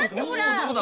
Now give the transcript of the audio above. どこだ？